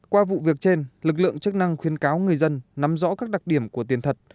qua vụ việc trên lực lượng chức năng khuyên cáo người dân nắm rõ các đặc điểm của tiền thật